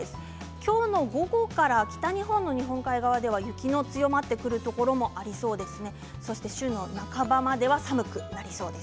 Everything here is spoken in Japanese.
今日の午後から北日本の日本海側では雪が強まってくるところがありそうです。